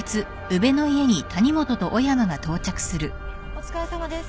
お疲れさまです。